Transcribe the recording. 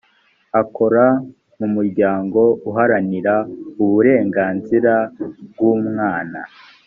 akora mumuryango uharanira uburenganzira bwumwana .